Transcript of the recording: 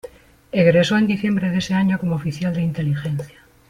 Egresó en diciembre de ese año como oficial de inteligencia.